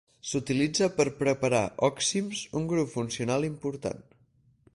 S'utilitza per preparar òxims, un grup funcional important.